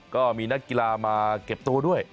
ก็มีนักกีฬามาเก็บตัวด้วย